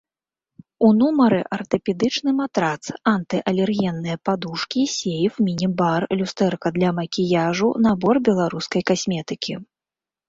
У нумары артапедычны матрац, анты-алергенныя падушкі, сейф, міні-бар, люстэрка для макіяжу, набор беларускай касметыкі.